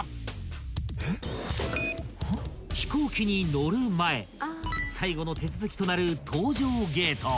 ［飛行機に乗る前最後の手続きとなる］